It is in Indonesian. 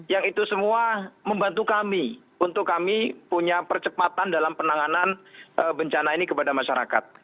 yang itu semua membantu kami untuk kami punya percepatan dalam penanganan bencana ini kepada masyarakat